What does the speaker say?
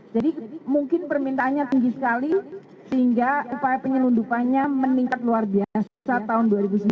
jadi mungkin permintaannya tinggi sekali sehingga upaya penyeludupannya meningkat luar biasa tahun dua ribu sembilan belas